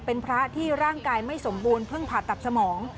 เป็นพระที่ร่างกายไม่สมบูรณเพิ่งผ่าตัดสมอง